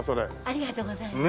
ありがとうございます。